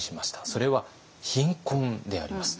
それは貧困であります。